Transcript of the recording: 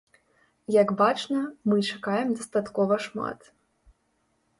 Як бачна, мы чакаем дастаткова шмат.